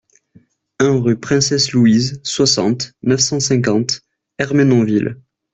un rue Princesse Louise, soixante, neuf cent cinquante, Ermenonville